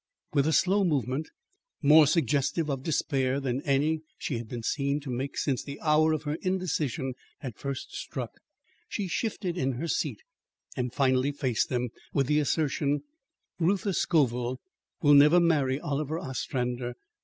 With a slow movement more suggestive of despair than any she had been seen to make since the hour of her indecision had first struck, she shifted in her seat and finally faced them, with the assertion: "Reuther Scoville will never marry Oliver Ostrander.